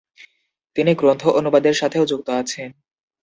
তিনি গ্রন্থ অনুবাদের সাথেও যুক্ত আছেন।